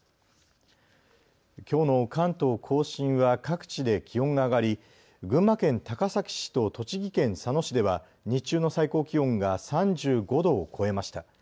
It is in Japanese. きょうの関東甲信は各地で気温が上がり群馬県高崎市と栃木県佐野市では日中の最高気温が３５度を超えました。